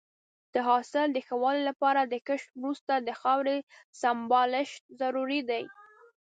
د حاصل د ښه والي لپاره د کښت وروسته د خاورې سمبالښت ضروري دی.